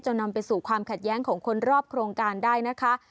นำไปสู่ความขัดแย้งของคนรอบโครงการได้นะคะ